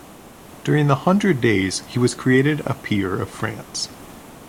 During the Hundred Days he was created a Peer of France.